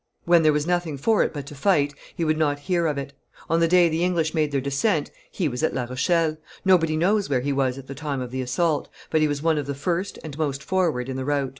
When there was nothing for it but to fight, he would not hear of it. On the day the English made their descent, he was at La Rochelle; nobody knows where he was at the time of the assault, but he was one of the first and most forward in the rout."